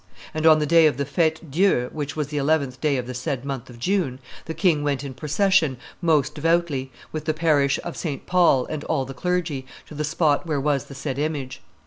... And on the day of the Fete Dieu, which was the 11th day of the said month of June, the king went in procession, most devoutly, with the parish of St. Paul and all the clergy, to the spot where was the said image.